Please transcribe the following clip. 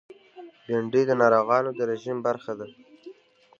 بېنډۍ د ناروغانو د رژیم برخه ده